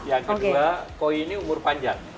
yang kedua koi ini umur panjang